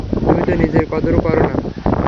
তুমি তো নিজের কদরও করো না।